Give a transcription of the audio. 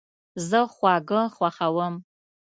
زه خواږه خوښوم